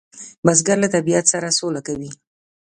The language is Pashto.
بزګر له طبیعت سره سوله کوي